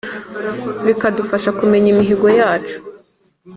bikadufasha kumenya imihigo yacu